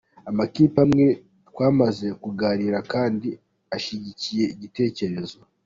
Amakipe amwe twamaze kuganira kandi ashyigikiye igitekerezo.